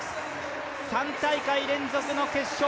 ３大会連続の決勝